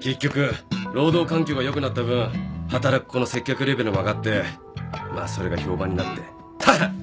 結局労働環境が良くなった分働く子の接客レベルも上がってまあそれが評判になって